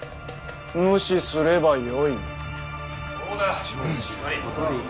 無視すればよい。